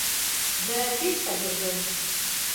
_زه بېرته ګرځم.